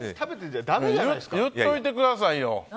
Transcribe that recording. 言っといてくださいよ！